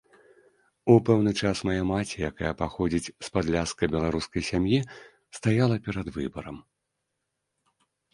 У пэўны час мая маці, якая паходзіць з падляшска-беларускай сям'і, стаяла перад выбарам.